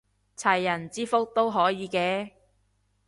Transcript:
齊人之福都可以嘅